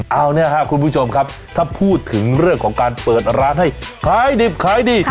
เอาเนี่ยครับคุณผู้ชมครับถ้าพูดถึงเรื่องของการเปิดร้านให้ขายดิบขายดี